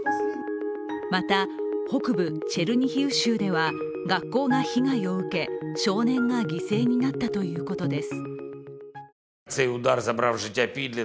また、北部チェルニヒウ州では学校が被害を受け、少年が犠牲になったということです。